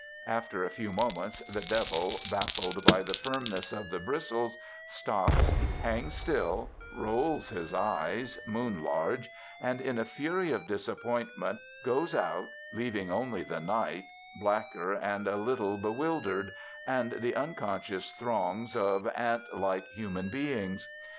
After a few moments the Devil, baffled by the firmness of the bristles, stops, hangs still, rolls his eyes, moon large, and, in a fury of disappointment, goes out, leaving only the night, blacker and a little bewildered, and the unconscious throngs of ant like human beings.